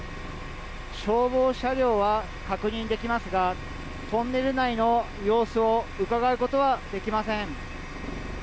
消防車両は確認できますがトンネル内の様子をうかがうことはできません。